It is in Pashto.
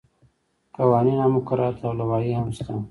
قوانین او مقررات او لوایح هم شته.